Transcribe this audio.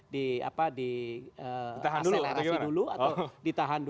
ditahan dulu atau gimana